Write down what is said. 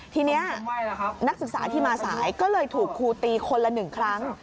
ทีนี้นักศึกษาที่มาสายก็เลยถูกครูตีคนละ๑ครั้ง